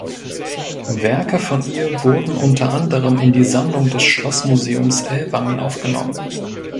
Werke von ihr wurden unter anderem in die Sammlung des Schlossmuseums Ellwangen aufgenommen.